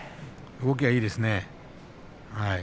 動きがいいですね。